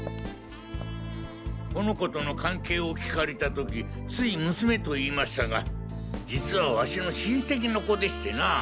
この子との関係を聞かれた時つい娘と言いましたが実はワシの親戚の子でしてな。